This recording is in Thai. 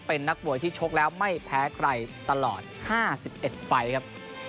เป็นนักมวยที่ชกแล้วไม่แพ้ใครตลอด๕๑ไฟล์ครับ